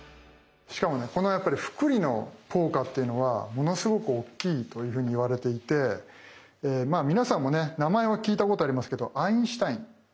しかもねこの複利の効果っていうのはものすごく大きいというふうに言われていて皆さんもね名前は聞いたことありますけどアインシュタイン。